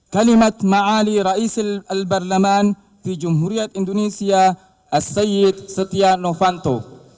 kalimat maali raisi el barlaman di jumhuriyat indonesia asyid setia novanto